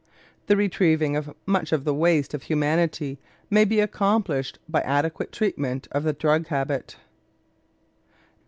The retrieving of much of the waste of humanity may be accomplished by adequate treatment of the drug habit.